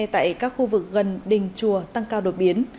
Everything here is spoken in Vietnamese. tại các khu vực gần đình chùa tăng cao đột biến